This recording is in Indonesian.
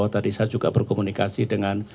tadi saya juga berkomunikasi dengan